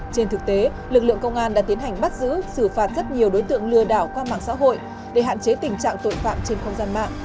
trên thực tế lực lượng công an đã tiến hành bắt giữ xử phạt rất nhiều đối tượng lừa đảo qua mạng xã hội để hạn chế tình trạng tội phạm trên không gian mạng